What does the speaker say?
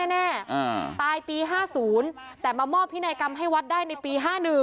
แน่ตายปี๕๐แต่มามอบพินัยกรรมให้วัดได้ในปี๕๑